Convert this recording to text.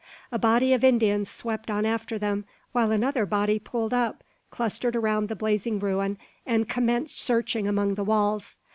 A body of Indians swept on after them, while another body pulled up, clustered around the blazing ruin, and commenced searching among the walls.